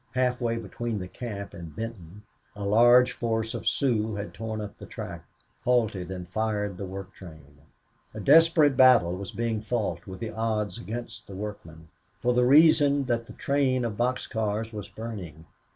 Half way between the camp and Benton a large force of Sioux had torn up the track, halted and fired the work train. A desperate battle was being fought, with the odds against the workmen, for the reason that the train of box cars was burning.